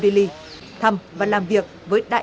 delhi thăm và làm việc với đại sứ quán việt nam tại ấn độ